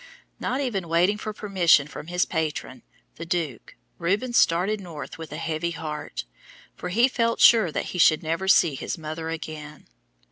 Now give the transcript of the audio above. Not even waiting for permission from his patron, the Duke, Rubens started north with a heavy heart, for he felt sure that he should never see his mother again.